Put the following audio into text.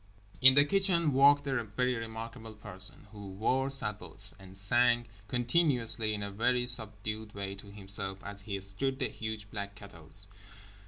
… In the kitchen worked a very remarkable person. Who wore sabots. And sang continuously in a very subdued way to himself as he stirred the huge black kettles.